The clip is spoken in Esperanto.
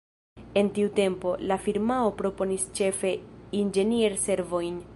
En tiu tempo, la firmao proponis ĉefe inĝenier-servojn.